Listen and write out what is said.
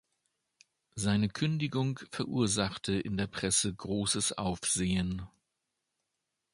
Seine Kündigung verursachte in der Presse großes Aufsehen.